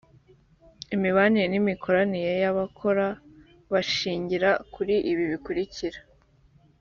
imibanire n’imikoranire y’abahakora bashingira kuri ibi bikurikira